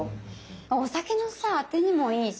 お酒のさあてにもいいし。